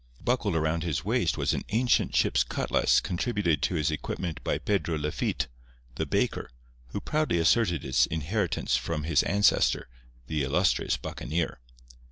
Buckled around his waist was an ancient ship's cutlass contributed to his equipment by Pedro Lafitte, the baker, who proudly asserted its inheritance from his ancestor, the illustrious buccaneer.